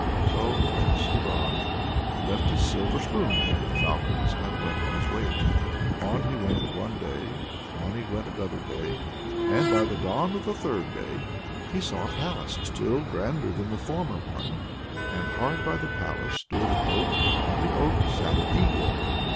So Prince Ivan left his silver spoon at the Falcon's, and went on his way again. On he went one day, on he went another day, and by the dawn of the third day he saw a palace still grander than the former one, and hard by the palace stood an oak, and on the oak sat an eagle.